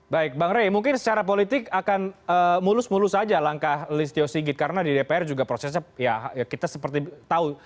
baik bang rey mungkin secara politik akan mulus mulus saja langkah listio sigit karena di dpr juga prosesnya ya kita seperti tahu